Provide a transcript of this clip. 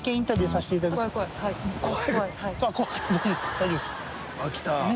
大丈夫です。